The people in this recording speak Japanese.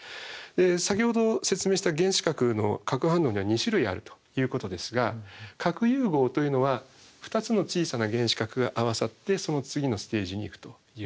先ほど説明した原子核の核反応には２種類あるということですが核融合というのは２つの小さな原子核が合わさってその次のステージにいくというもの。